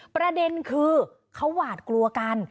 ประเด็นคือเขาหวาดกลัวกัน